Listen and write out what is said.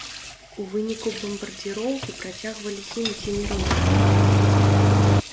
У выніку бамбардзіроўкі працягвалі гінуць і мірныя жыхары.